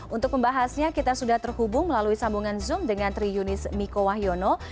untuk membahasnya kita sudah terhubung melalui sambungan zoom dengan tri yunis miko wahyono